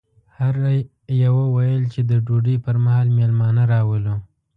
هر یوه ویل چې د ډوډۍ پر مهال مېلمانه راولو.